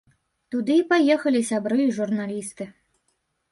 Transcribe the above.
Туды і паехалі сябры і журналісты.